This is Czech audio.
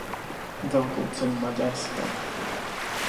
Velkou cenou Maďarska.